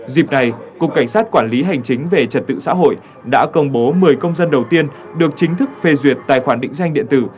dịp này cục cảnh sát quản lý hành chính về trật tự xã hội đã công bố một mươi công dân đầu tiên được chính thức phê duyệt tài khoản định danh điện tử